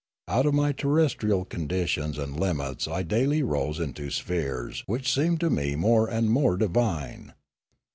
Out of my terrestrial conditions and limits I daily rose into spheres which seemed to me more and more divine.